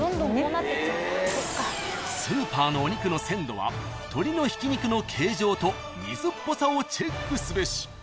［スーパーのお肉の鮮度は鶏のひき肉の形状と水っぽさをチェックすべし］